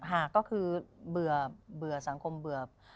หากก็คือเบื่อสังคมเบื่อ